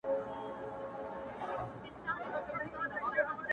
يوار يې زلفو ته ږغېږم بيا يې خال ته گډ يم؛